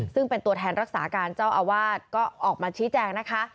ซึ่งเป็นตัวแทนรักษาการเจ้าอาวาสก็ออกมาชี้แจงนะคะ